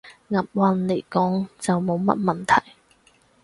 押韻來講，就冇乜問題